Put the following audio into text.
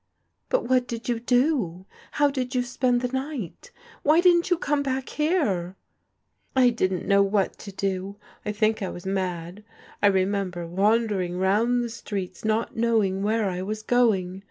"But what did you do? How did you spend the night? Why didn't you come back here? "I didn't know what to do. I think I was mad. I remember wandering round the streets not knowing where I was going.